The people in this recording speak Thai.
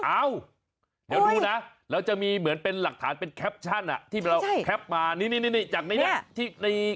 เอ้าเดี๋ยวดูนะแล้วจะมีเหมือนเป็นหลักฐานแคปชั่นที่แคปมาจากนี้นะ